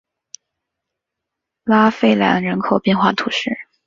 拉费兰人口变化图示